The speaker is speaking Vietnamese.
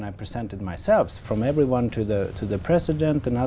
với phát triển thú vị việt nam